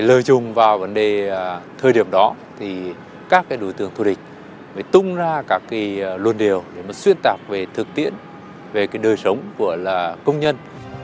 lời chung vào vấn đề thời điểm đó các đối tượng thủ địch mới tung ra các luận điều để xuyên tạc về thực tiễn về đời sống của công nhân